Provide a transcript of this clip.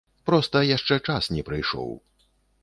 Проста яшчэ час не прыйшоў.